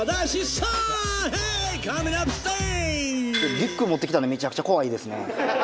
リュックを持ってきたのめちゃくちゃ怖いですね。